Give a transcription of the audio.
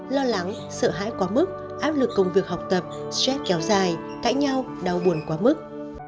lo lắng sợ hãi quá mức áp lực công việc học tập stress kéo dài cãi nhau đau buồn quá mức